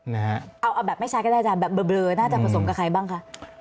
เอาแบบแบบไม่ใช่ก็ได้ครับแบบเบอร์น่าจะผสมกับใครบ้างค่ะ